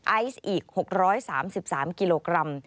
ไอซ์อีก๖๓๓กิโลกรัม